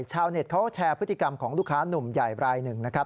ชาวเน็ตเขาแชร์พฤติกรรมของลูกค้านุ่มใหญ่รายหนึ่งนะครับ